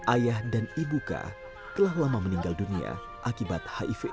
ayah dan ibu k telah lama meninggal dunia akibat hiv